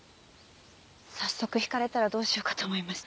早速引かれたらどうしようかと思いました。